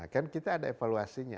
kan kita ada evaluasinya